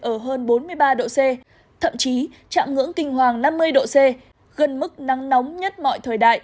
ở hơn bốn mươi ba độ c thậm chí chạm ngưỡng kinh hoàng năm mươi độ c gần mức nắng nóng nhất mọi thời đại